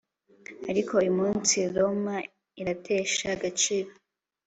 ariko uyumunsi roma iratesha agaciro